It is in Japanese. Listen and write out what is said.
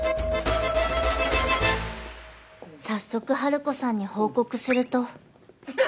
［早速ハルコさんに報告すると］